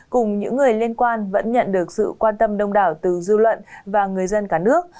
cùng những người liên quan vẫn nhận được sự quan tâm đông đảo từ dư luận và người dân cả nước